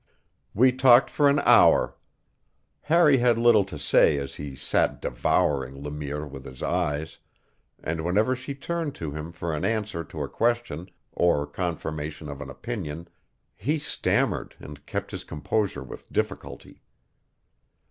We talked for an hour. Harry had little to say as he sat devouring Le Mire with his eyes, and whenever she turned to him for an answer to a question or confirmation of an opinion he stammered and kept his composure with difficulty.